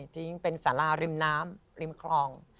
ทิ้งเป็นสาราริมน้ำริมคลอง